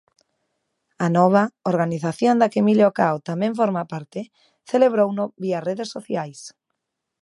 Anova, organización da que Emilio Cao tamén forma parte, celebrouno vía redes sociais.